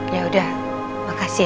ya udah makasih ya